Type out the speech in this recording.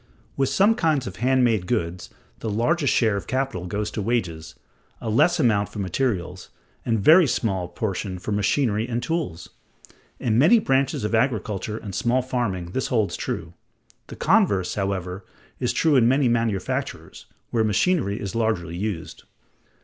With some kinds of hand made goods the largest share of capital goes to wages, a less amount for materials, and a very small proportion for machinery and tools. In many branches of agriculture and small farming this holds true. The converse, however, is true in many manufactures, where machinery is largely used.